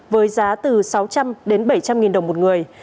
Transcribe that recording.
với giá từ sáu trăm linh đến bảy trăm linh nghìn đồng một người